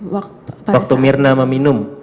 waktu mirna meminum